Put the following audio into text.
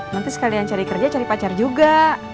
nanti sekalian cari kerja cari pacar juga